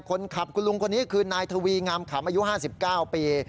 คนขับคุณลุงคนนี้คือนายทวีงามขัมอายุห้าสิบเก้าปี